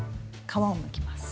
皮をむきます。